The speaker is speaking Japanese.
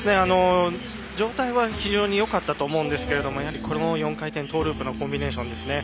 状態は非常によかったと思うんですがこの４回転トーループのコンビネーションですね。